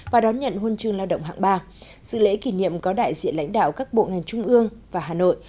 và đón nhận huân chương lao động hạng ba sự lễ kỷ niệm có đại diện lãnh đạo các bộ ngành trung ương và hà nội